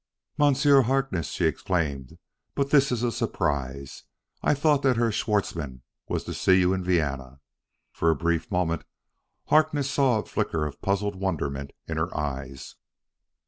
"Monsieur Harkness!" she exclaimed. "But this is a surprise. I thought that Herr Schwartzmann was to see you in Vienna!" For a brief moment Harkness saw a flicker of puzzled wonderment in her eyes.